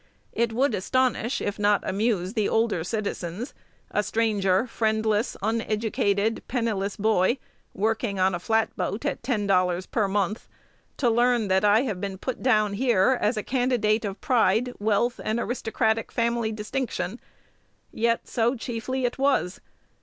It would astonish, if not amuse, the older citizens (a stranger, friendless, uneducated, penniless boy, working on a flat boat at ten dollars per month) to learn that I have been put down here as the candidate of pride, wealth, and aristocratic family distinction. Yet so, chiefly, it was.